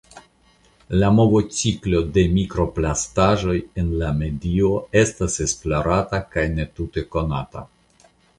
La movociklo de mikroplastaĵoj en la medio estas esplorata kaj ne tute konata.